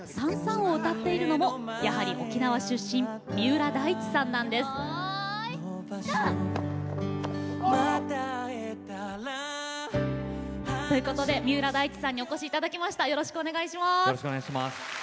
「燦燦」を歌っているのも、やはり沖縄出身・三浦大知さんなんです。ということで、三浦大知さんにお越しいただきました。